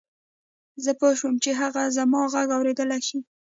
زه پوه شوم چې هغه زما غږ اورېدلای شي.